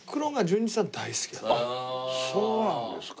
あっそうなんですか。